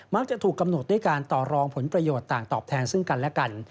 จะถูกกำหนดด้วยการต่อรองผลประโยชน์ต่างตอบแทนซึ่งกันและกัน